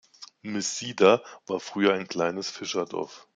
Msida war früher ein kleines Fischerdorf.